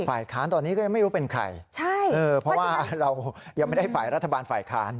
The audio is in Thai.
ฝ่ายค้านตอนนี้ก็ยังไม่รู้เป็นใครใช่เออเพราะว่าเรายังไม่ได้ฝ่ายรัฐบาลฝ่ายค้าน